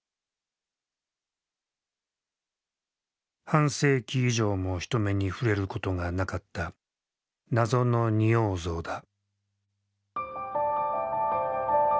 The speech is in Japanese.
半世紀以上も人目に触れることがなかった「謎の仁王像」だ。